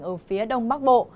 ở phía đông bắc bộ